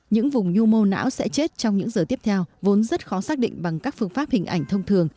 những vùng nhu mô não sẽ chết trong những giờ tiếp theo vốn rất khó xác định bằng các phương pháp hình ảnh thông thường